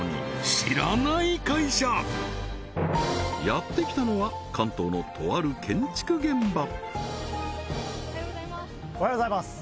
やって来たのは関東のとある建築現場おはようございますおはようございます